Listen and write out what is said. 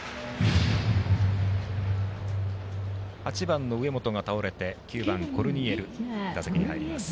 ８番の上本が倒れて９番、コルニエル打席に入ります。